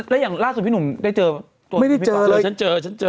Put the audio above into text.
แล้วอย่างล่าสุดพี่หนุ่มได้เจอไม่ได้เจอเลยแต่ว่าฉันเจอฉันเจอ